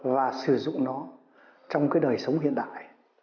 và sử dụng nó trong cái đời sống hiện đại